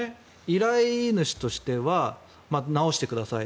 依頼主としては直してください。